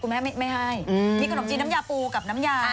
แม่ไม่ให้มีขนมจีนน้ำยาปูกับน้ำยา